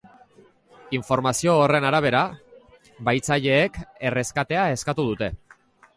Informazio horren arabera, bahitzaileek erreskatea eskatu dute.